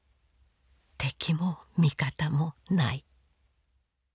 敵も味方もない。